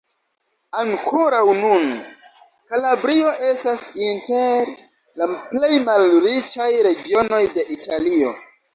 Ankoraŭ nun, Kalabrio estas inter la plej malriĉaj regionoj de Italio.